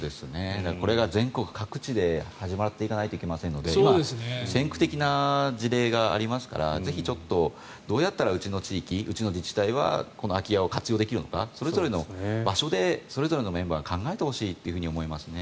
これが全国各地で始まっていかないといけませんので今、先駆的な事例がありますからぜひどうやったらうちの自治体はこの空き家を活用できるのかそれぞれの場所でそれぞれのメンバーが考えてほしいと思いますね。